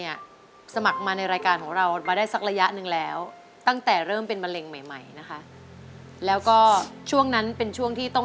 อย่างไรก็ต้องมาครับวันนี้